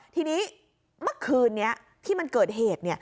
ทีนี้เมื่อคืนนี้ที่มันเกิดเหตุ